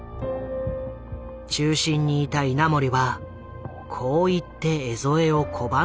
中心にいた稲盛はこう言って江副を拒んだという。